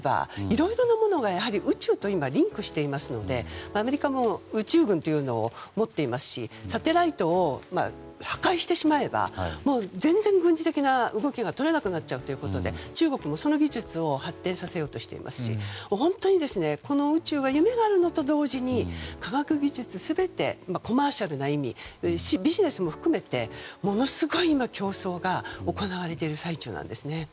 いろいろなものが宇宙と今リンクしていますのでアメリカも宇宙軍というのを持っていますしサテライトを破壊してしまえば全然軍事的な動きが取れなくなっちゃうということで中国も、その技術を発展させようとしていますし本当に宇宙には夢があるのと同時に科学技術全てコマーシャルな意味ビジネスも含めてものすごい今競争が行われている最中なんですね。